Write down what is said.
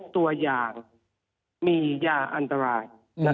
ตัวอย่างมียาอันตราย